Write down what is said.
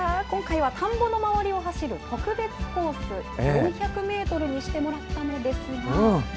今回は田んぼの周りを走る特別コース、４００メートルにしてもらったのですが。